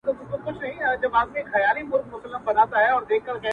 په ځان وهلو باندي ډېر ستړی سو، شعر ليکي،